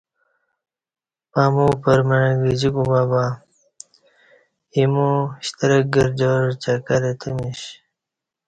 پمو پرمع گجی کوبہ بہ ایمو شترک گرجار چکر اتمیش کہ